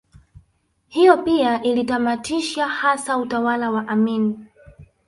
Hiyo pia ilitamatisha hasa utawala wa Amin